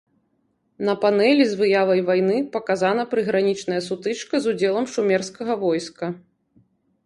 На панэлі з выявай вайны паказана прыгранічная сутычка з удзелам шумерскага войска.